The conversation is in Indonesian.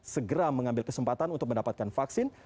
segera mengambil kesempatan untuk mendapatkan vaksin